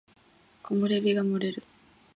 木漏れ日が漏れる